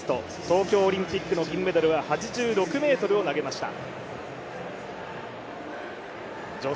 東京オリンピックの銀メダルは８６ｍを投げました。